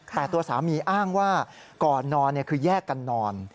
แต่ตัวสามีอ้างว่าก่อนนอนคือแยกกันนอน